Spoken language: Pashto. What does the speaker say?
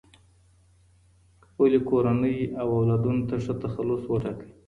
خپلي کورنۍ او اولادونو ته ښه تخلص وټاکئ.